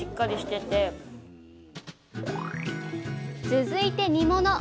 続いて煮物。